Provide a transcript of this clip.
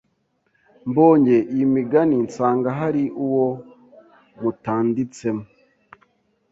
Mbonye iyi migani nsanga hari uwo mutandiitsemo